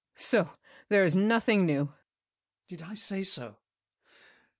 So there's nothing new! GASSÉ. Did I say so?